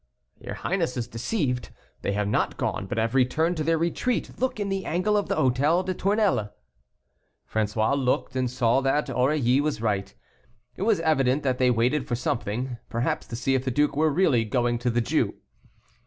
"Your highness is deceived; they have not gone, but have returned to their retreat: look in the angle of the Hôtel des Tournelles." François looked, and saw that Aurilly was right; it was evident that they waited for something, perhaps to see if the duke were really going to the Jew.